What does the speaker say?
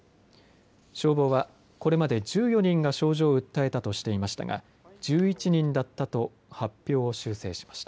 消防は、これまで１４人が症状を訴えたとしていましたが１１人だったと発表を修正しました。